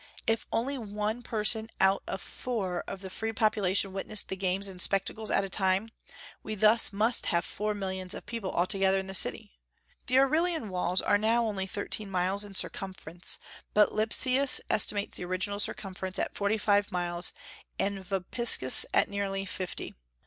If only one person out of four of the free population witnessed the games and spectacles at a time, we thus must have four millions of people altogether in the city. The Aurelian walls are now only thirteen miles in circumference, but Lipsius estimates the original circumference at forty five miles, and Vopiscus at nearly fifty.